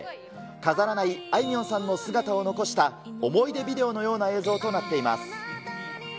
飾らないあいみょんさんの姿を残した、思い出ビデオのような映像となっています。